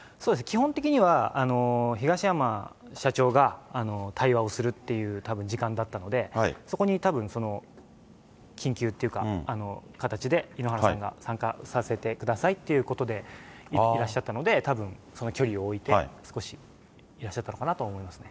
基本的には東山社長が対話をするというたぶん時間だったので、そこにたぶん、緊急っていうか、形で、井ノ原さんが参加させてくださいということで、いらっしゃったので、たぶん、その距離を置いて、少しいらっしゃったのかなと思いますね。